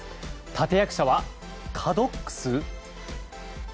立役者は、カドックス？